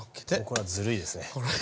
これはずるいですね。